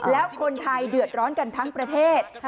แล้วคนไทยเดือดร้อนกันทั้งประเทศ